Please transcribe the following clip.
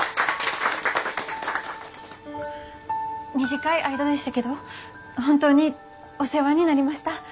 短い間でしたけど本当にお世話になりました。